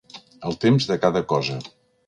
El temps de cada cosa.